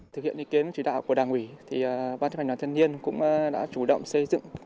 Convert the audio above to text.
thực hiện ý kiến trí đạo của đảng ủy văn chức hành đoàn thanh niên cũng đã chủ động xây dựng